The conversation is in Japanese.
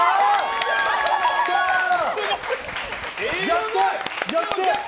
やったー！